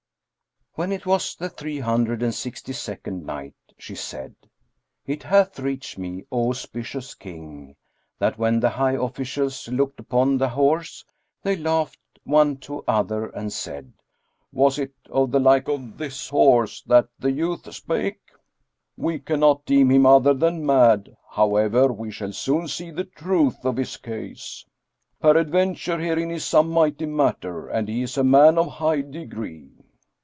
When it was the Three Hundred and Sixty second Night, She said, It hath reached me, O auspicious King, that when the high officials looked upon the horse, they laughed one to other and said, "Was it of the like of his horse that the youth spake? We cannot deem him other than mad; however, we shall soon see the truth of his case. Peradventure herein is some mighty matter, and he is a man of high degree."